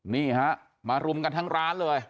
นี่ฮะมารุมกันทั้งร้านเลย